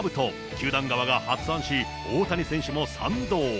球団側が発案し、大谷選手も賛同。